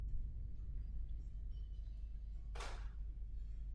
Nebo také čínské lidové náboženství.